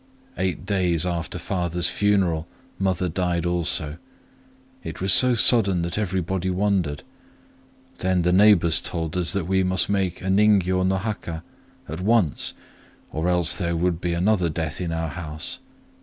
Eight days after father's funeral mother also died. It was so sudden that everybody wondered. Then the neighbors told us that we must make a ningyô no haka at once,—or else there would be another death in our house.